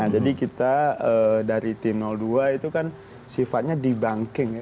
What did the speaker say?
jadi kita dari tim dua itu kan sifatnya debunking